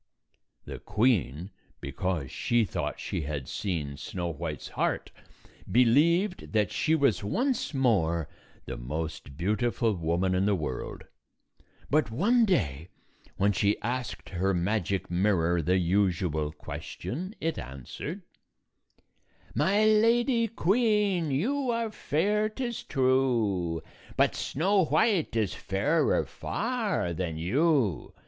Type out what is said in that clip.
The queen, because she thought she had seen Snow White's heart, believed that she was once more the most beautiful woman in the world ; but one day, when she asked her magic mirror the usual question, it answered, " My Lady Queen, you are fair, 't is true; But Snow White is fairer far than you.